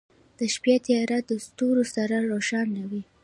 • د شپې تیاره د ستورو سره روښانه وي.